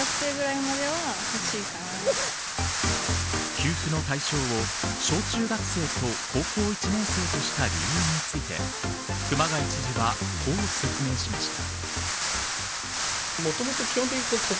給付の対象を小中学生と高校１年生とした理由について熊谷知事は、こう説明しました。